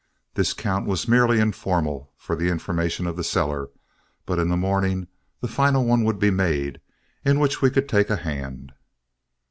This count was merely informal and for the information of the seller; but in the morning the final one would be made, in which we could take a hand.